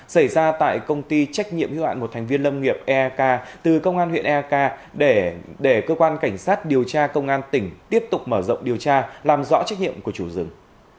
xảy ra tại công ty trách nhiệm hữu hạn một thành viên lâm nghiệp eak từ công an huyện eak để cơ quan cảnh sát điều tra công an tỉnh tiếp tục mở rộng điều tra làm rõ trách nhiệm của chủ rừng